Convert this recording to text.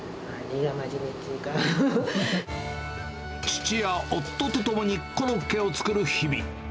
父や夫と共にコロッケを作る日々。